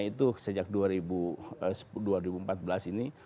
itu sejak dua ribu empat belas ini